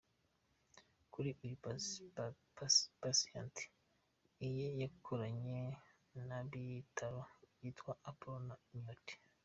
Kuri uyu Patient Eye bakorana na’ibitaro byitwa Apollo na Miot.